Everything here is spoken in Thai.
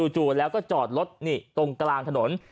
จู่แล้วก็จอดรถนี่ตรงกลางถนน